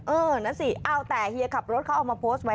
เอาแต่เฮียขับรถเขาออกมาโพสต์ไว้